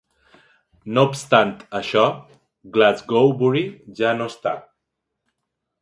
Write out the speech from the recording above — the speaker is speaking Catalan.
No obstant això Glasgowbury ja no està.